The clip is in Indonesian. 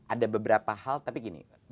ada beberapa hal tapi gini